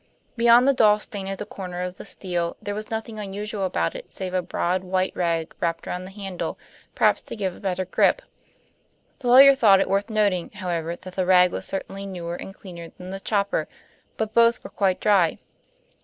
Beyond the dull stain at the corner of the steel there was nothing unusual about it save a broad white rag wrapped round the handle, perhaps to give a better grip. The lawyer thought it worth noting, however, that the rag was certainly newer and cleaner than the chopper. But both were quite dry.